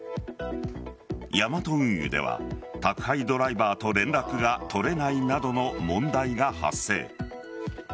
ヤマト運輸では宅配ドライバーと連絡が取れないなどの問題が発生。